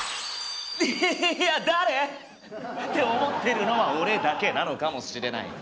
いやって思ってるのは俺だけなのかもしれない。